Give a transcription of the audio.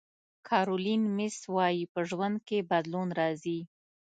کارولین میس وایي په ژوند کې بدلون راځي.